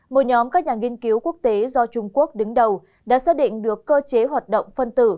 một nhóm các nhà nghiên cứu quốc tế do trung quốc đứng đầu đã xác định được cơ chế hoạt động phân tử